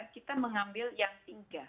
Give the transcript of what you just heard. kita mengambil yang tinggal